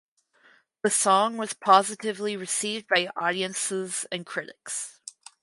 The song was positively received by audiences and critics.